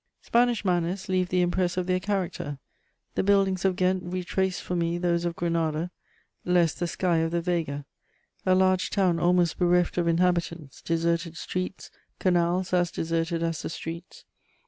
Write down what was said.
Spanish manners leave the impress of their character: the buildings of Ghent retraced for me those of Granada, less the sky of the Vega. A large town almost bereft of inhabitants, deserted streets, canals as deserted as the streets....